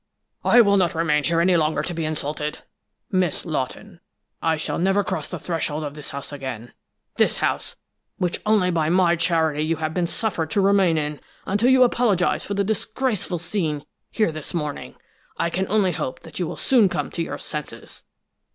"I will not remain here any longer to be insulted! Miss Lawton, I shall never cross the threshold of this house again this house, which only by my charity you have been suffered to remain in until you apologize for the disgraceful scene here this morning. I can only hope that you will soon come to your senses!"